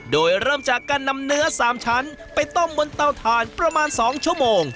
โดยเริ่มจากการนำเนื้อ๓ชั้นไปต้มบนเตาถ่านประมาณ๒ชั่วโมง